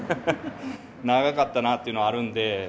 長かったなっていうのはあるんで。